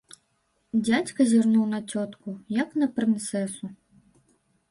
Дзядзька зірнуў на цётку, як на прынцэсу.